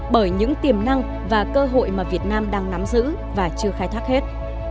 bởi những tiềm năng và cơ hội mà việt nam đang nắm giữ và chưa khai thác hết